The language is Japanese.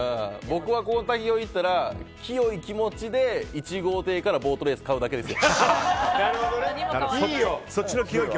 僕はこの滝に行ったら清い気持ちで１号艇からボートレースを買うだけです。